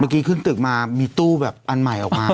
เมื่อกี้ขึ้นตึกมามีตู้แบบอันใหม่ออกมา